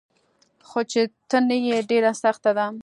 خو چي ته نه يي ډيره سخته ده